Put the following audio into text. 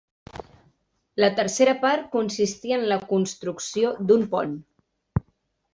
La tercera part consistia en la construcció d'un pont.